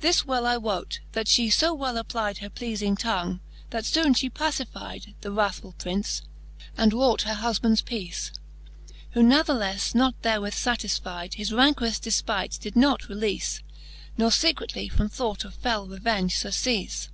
This well I wote, that fhe fo well applyde Her pleafing tongue, that foone {he pacifyde The wrathfuU Prince, and wrought her hufbands peace. Who nathelefTe not therewith fatisfyde. His rancorous defpight did not releaffe, Ne fecretly from thought of fell revenge furceafle.